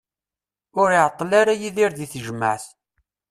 Ur iɛeṭṭel ara Yidir di tejmaɛt.